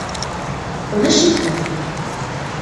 Ulac-it da.